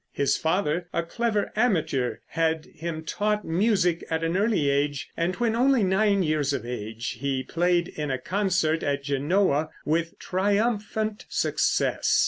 His father, a clever amateur, had him taught music at an early age, and when only nine years of age he played in a concert at Genoa with triumphant success.